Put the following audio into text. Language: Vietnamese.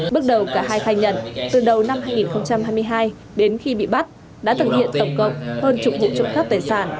bước đầu cả hai khai nhận từ đầu năm hai nghìn hai mươi hai đến khi bị bắt đã thực hiện tổng cộng hơn chục vụ trộm cắp tài sản